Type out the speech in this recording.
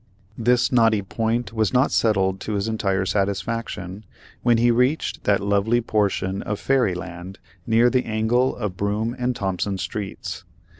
This knotty point was not settled to his entire satisfaction when he reached that lovely portion of fairy land near the angle of Broome and Thompson streets.